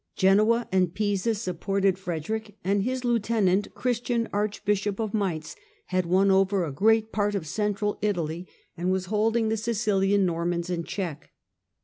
Genoa and Pisa supported Frederick, and his lieutenant, Christian Archbishop of Mainz, had won over a great part of Central Italy and was holding the Sicilian Nor mans in check.